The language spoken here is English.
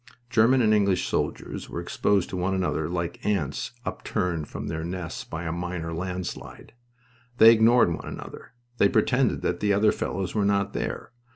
German and English soldiers were exposed to one another like ants upturned from their nests by a minor landslide. They ignored one another. They pretended that the other fellows were not there.